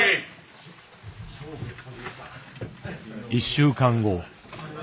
１週間後。